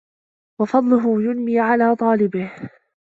وَفَضْلَهُ يُنْمِي عَلَى طَالِبِهِ